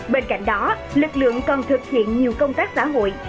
bên cạnh đó lực lượng còn thực hiện nhiều công tác xã hội